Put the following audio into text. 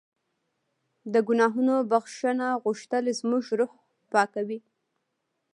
د ګناهونو بښنه غوښتل زموږ روح پاکوي.